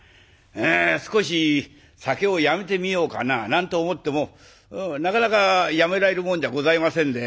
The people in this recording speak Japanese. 少し酒をやめてみようかな」なんて思ってもなかなかやめられるもんじゃございませんで。